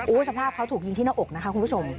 สภาพเขาถูกยิงที่หน้าอกนะคะคุณผู้ชม